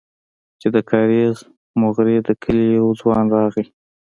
چې د کاريز موغري د کلي يو ځوان راغى.